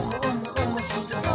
おもしろそう！」